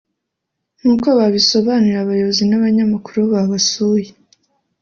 nk’uko babisobanuriye abayobozi n’abanyamakuru babasuye